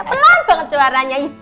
pelan banget suaranya